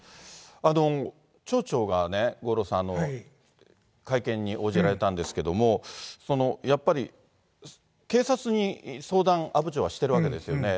町長がね、五郎さん、会見に応じられたんですけれども、やっぱり、警察に相談、阿武町はしてるわけですよね。